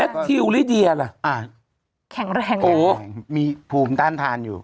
ทิวลิเดียล่ะอ่าแข็งแรงกว่าโอ้โหมีภูมิต้านทานอยู่